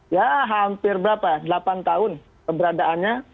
ya hampir berapa delapan tahun keberadaannya